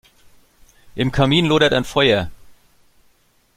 Im Kamin lodert ein Feuer.